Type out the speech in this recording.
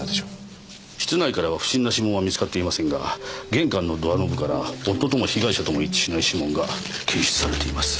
室内からは不審な指紋は見つかっていませんが玄関のドアノブから夫とも被害者とも一致しない指紋が検出されています。